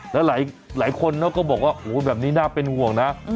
แล้วหลายคนก็บอกว่าโอ้แบบนี้น่าเป็นห่วงนะ